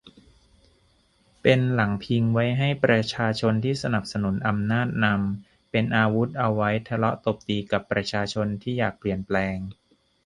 เป็นหลังพิงไว้ให้ประชาชนที่สนับสนุนอำนาจนำ เป็นอาวุธเอาไว้ทะเลาะตบตีกับประชาชนที่อยากเปลี่ยนแปลง